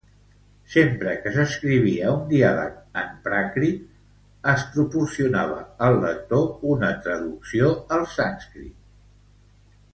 Sempre que s'escrivia un diàleg en pràcrit, es proporcionava al lector una traducció al sànscrit.